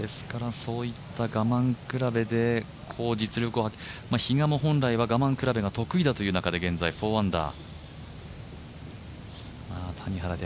そういった我慢比べで実力を、比嘉も本来は我慢比べが得意だという中で現在４アンダー。